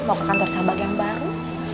mau ke kantor cabang yang baru